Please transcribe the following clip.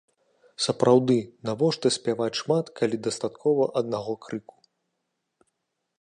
Сапраўды, навошта спяваць шмат, калі дастаткова аднаго крыку?